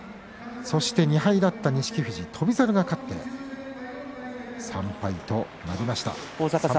そして２敗だった錦富士、翔猿が勝って３敗となりました。